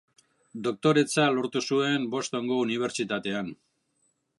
Doktoretza lortu zuen Bostongo Unibertsitatean.